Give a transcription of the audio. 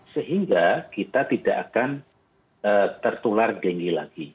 sehingga kita tidak akan tertular denghi lagi